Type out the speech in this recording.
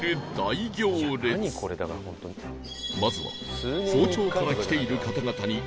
まずは